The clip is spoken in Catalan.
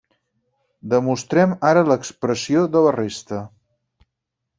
Demostrem ara l'expressió de la resta.